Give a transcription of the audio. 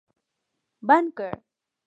بند کړ